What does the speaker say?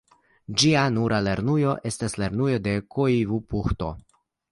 Ĝia nura lernujo estas Lernujo de Koivupuhto.